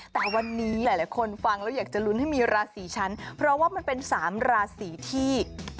แต่วันนี้หลายคนฟังแล้วอยากจะลุ้นให้มีราศีชั้นเพราะว่ามันเป็น๓ราศีที่